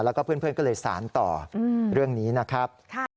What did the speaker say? แล้วก็เพื่อนก็เลยสารต่อเรื่องนี้นะครับ